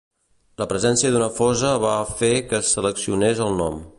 La presència d'una fosa va fer que es seleccionés el nom.